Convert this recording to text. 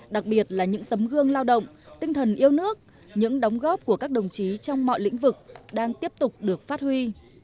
đặc biệt là những tấm gương lao động tinh thần yêu nước những đóng góp của các đồng chí trong mọi lĩnh vực đang tiếp tục được phát huy